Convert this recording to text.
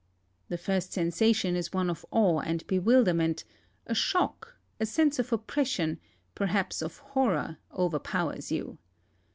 The first sensation is one of awe and bewilderment; a shock, a sense of oppression, perhaps of horror, overpowers you.